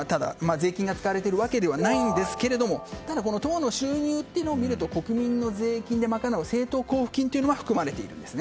税金が使われているわけではないんですけれどもただ、党の収入を見ると国民の税金で賄う政党交付金が含まれているんです。